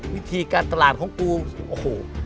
วิธีการตลาดของกูโอ้โห